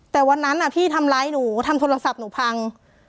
แต่วันนั้นพี่ทำร้ายหนูทำโทรศัพท์หนูพัง